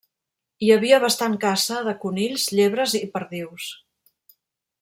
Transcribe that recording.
Hi havia bastant caça de conills, llebres i perdius.